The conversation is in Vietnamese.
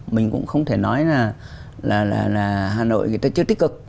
mình cũng không thể nói là hà nội người ta chưa tích cực